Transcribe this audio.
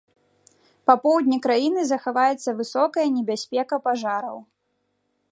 Па поўдні краіны захаваецца высокая небяспека пажараў.